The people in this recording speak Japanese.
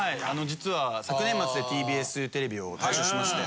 実は昨年末でＴＢＳテレビを退職しまして。